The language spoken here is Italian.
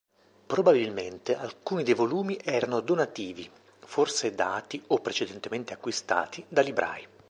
Probabilmente alcuni dei volumi erano donativi, forse dati o precedentemente acquistati da librai.